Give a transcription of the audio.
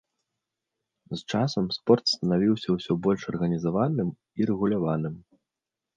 З часам спорт станавіўся ўсё больш арганізаваным і рэгуляваным.